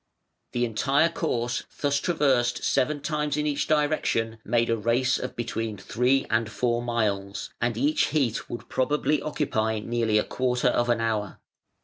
The entire course thus traversed seven times in each direction made a race of between three and four miles, and each heat would probably occupy nearly a quarter of an hour.